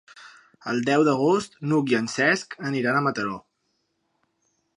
El deu d'agost n'Hug i en Cesc aniran a Mataró.